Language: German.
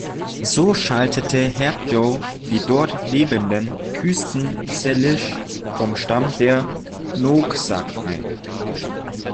So schaltete Herb Joe die dort lebenden Küsten-Salish vom Stamm der Nooksack ein.